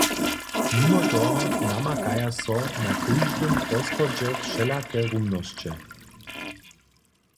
Nimo toho namakaja so na kóždym poschodźe wšelake rumnosće.